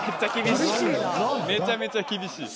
めちゃめちゃ厳しい。